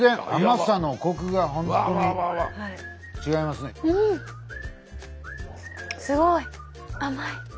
すごい！甘い。